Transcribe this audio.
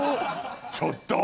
ちょっと！